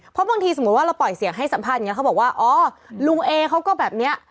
เพราะบางทีสมมุติว่าเราปล่อยเสียงให้สัมภาษณ์อย่างนี้เขาบอกว่าอ๋อลุงเอเขาก็แบบเนี้ย